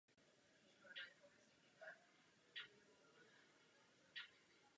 Může tu být v tu dobu prakticky cokoliv.